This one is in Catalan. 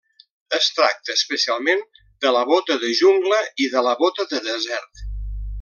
Es tracta, especialment, de la bota de jungla i de la bota de desert.